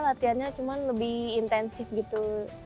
latihannya cuma lebih intensif gitu